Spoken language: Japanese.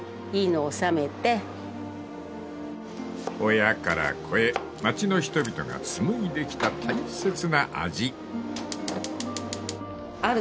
［親から子へ町の人々が紡いできた大切な味］